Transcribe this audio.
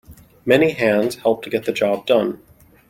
Many hands help get the job done.